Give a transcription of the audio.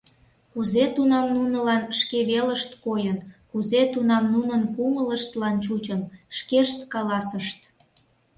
Кузе тунам нунылан шке велышт койын, кузе тунам нунын кумылыштлан чучын — шкешт каласышт.